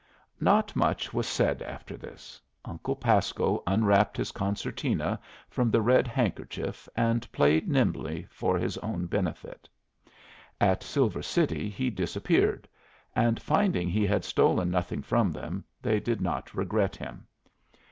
Not much was said after this. Uncle Pasco unwrapped his concertina from the red handkerchief and played nimbly for his own benefit. At Silver City he disappeared, and, finding he had stolen nothing from them, they did not regret him.